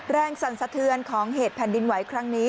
สั่นสะเทือนของเหตุแผ่นดินไหวครั้งนี้